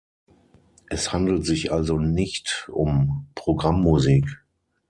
Es handelt sich also nicht um Programmmusik.